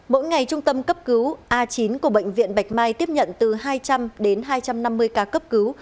mỗi ngày trung tâm cấp cứu a chín của bệnh viện bạch mai tiếp nhận từ hai trăm linh đến hai trăm năm mươi ca cấp cứu